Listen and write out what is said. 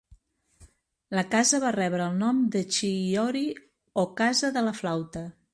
La casa va rebre el nom de Chiiori, o "Casa de la flauta".